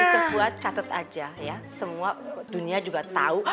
mister fuad catet aja ya semua dunia juga tau